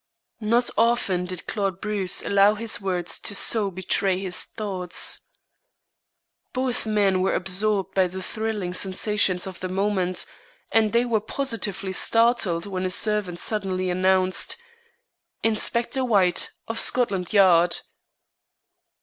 Not often did Claude Bruce allow his words to so betray his thoughts. Both men were absorbed by the thrilling sensations of the moment, and they were positively startled when a servant suddenly announced: "Inspector White, of Scotland Yard."